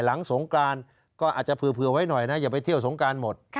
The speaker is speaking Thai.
หลังสงกรานก็อาจจะเผื่อไว้หน่อยนะอย่าไปเที่ยวสงการหมด